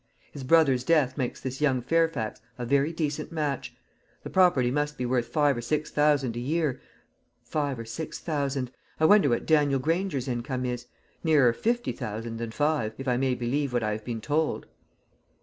"His brother's death makes this young Fairfax a very decent match. The property must be worth five or six thousand a year five or six thousand. I wonder what Daniel Granger's income is? Nearer fifty thousand than five, if I may believe what I have been told."